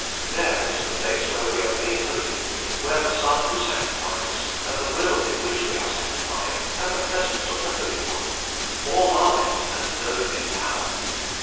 There is the place where we are made holy, where the Son who sanctifies, and the will in which we are sanctified, and the presence of the Holy One, all are met and known in power.